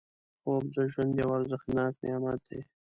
خوب د ژوند یو ارزښتناک نعمت دی